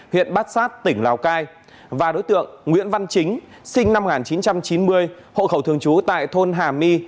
huyện bát sát tỉnh lào cai và đối tượng nguyễn văn chính sinh năm một nghìn chín trăm chín mươi hộ khẩu thường trú tại thôn hà my